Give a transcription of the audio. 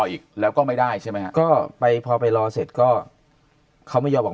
อีกแล้วก็ไม่ได้ใช่ไหมฮะก็ไปพอไปรอเสร็จก็เขาไม่ยอมออก